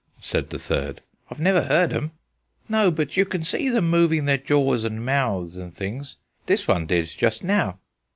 said the third. "I've never heard 'em." "No, but you can see them moving their jaws and mouths and things. This one did just now."